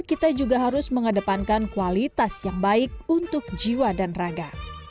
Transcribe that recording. kita juga harus mengedepankan kualitas yang baik untuk jiwa dan raga